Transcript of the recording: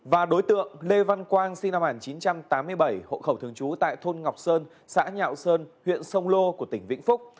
và đối tượng lê văn quang sinh năm một nghìn chín trăm tám mươi bảy hộ khẩu thường trú tại thôn ngọc sơn xã nhạo sơn huyện sông lô của tỉnh vĩnh phúc